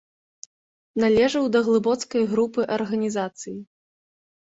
Належаў да глыбоцкай групы арганізацыі.